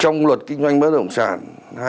trong luật kinh doanh bất động sản